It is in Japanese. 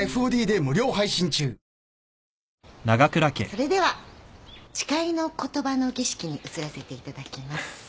それでは誓いの言葉の儀式に移らせていただきます。